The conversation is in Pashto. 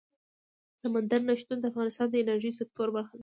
سمندر نه شتون د افغانستان د انرژۍ سکتور برخه ده.